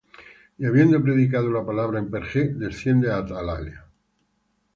Y habiendo predicado la palabra en Perge, descendieron á Atalia;